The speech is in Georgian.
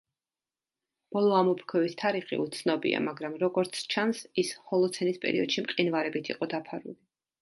ბოლო ამოფრქვევის თარიღი უცნობია, მაგრამ როგორც ჩანს ის ჰოლოცენის პერიოდში მყინვარებით იყო დაფარული.